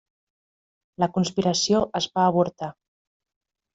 La conspiració es va avortar.